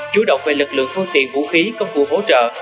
chú động về lực lượng phương tiện vũ khí công vụ hỗ trợ